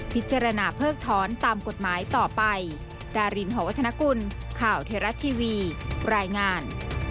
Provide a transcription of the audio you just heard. พิจารณาเพิกถอนตามกฎหมายต่อไปดารินหอวัฒนกุลข่าวเทราะทีวีรายงาน